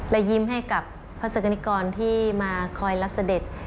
และยิ้มให้กับพระศักดิกรที่มาคอยรับเสด็จ